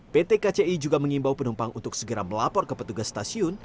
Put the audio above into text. pt kci juga mengimbau penumpang untuk segera melapor ke petugas stasiun